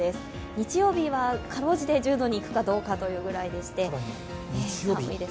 日曜日はかろうじて１０度にいくかどうかというところでして。